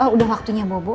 udah waktunya bobo